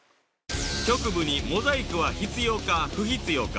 「局部にモザイクは必要か不必要か」